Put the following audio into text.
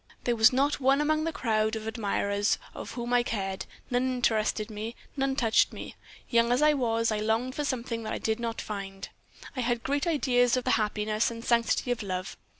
There was not one among the crowd of admirers for whom I cared; none interested me, none touched me. Young as I was, I longed for something that I did not find. I had great ideas of the happiness and sanctity of love.